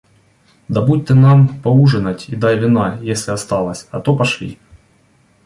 Добудь ты нам поужинать и дай вина, если осталось, а то пошли.